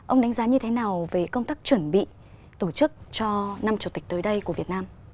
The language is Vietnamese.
ông đánh giá như thế nào về công tác chuẩn bị tổ chức cho năm chủ tịch tới đây của việt nam